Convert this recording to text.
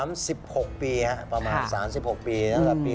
๓๖ปีครับประมาณ๓๖ปี